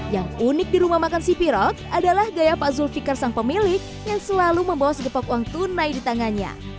yang unik di rumah makan sipirot adalah gaya pak zulfikar sang pemilik yang selalu membawa segepok uang tunai di tangannya